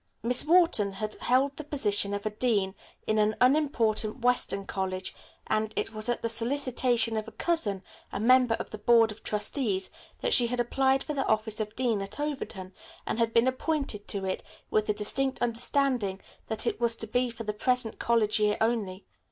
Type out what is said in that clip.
Miss Wharton had held the position of dean in an unimportant western college, and it was at the solicitation of a cousin, a member of the Board of Trustees, that she had applied for the office of dean at Overton, and had been appointed to it with the distinct understanding that it was to be for the present college year only.